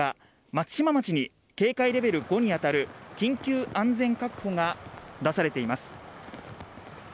松島町に警戒レベル５に当たる緊急安全確保が出されています。